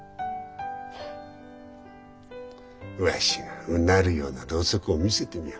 わしがうなるようなろうそくを見せてみよ。